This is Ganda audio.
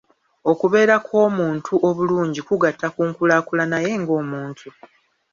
Okubeera kw'omuntu obulungi kugatta ku nkulaaakulana ye ng'omuntu.